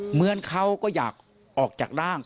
เหมือนเขาก็อยากออกจากร่าง